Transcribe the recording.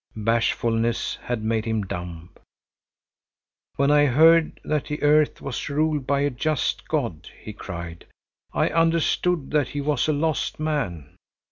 Bashfulness had made him dumb. "When I heard that the earth was ruled by a just God," he cried, "I understood that he was a lost man.